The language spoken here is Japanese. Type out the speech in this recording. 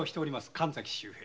神崎周平。